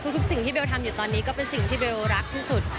ทุกสิ่งที่เบลทำอยู่ตอนนี้ก็เป็นสิ่งที่เบลรักที่สุด